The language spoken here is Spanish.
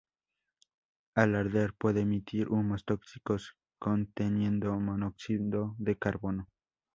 Al arder puede emitir humos tóxicos conteniendo monóxido de carbono.